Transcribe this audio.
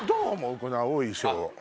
この青い衣装。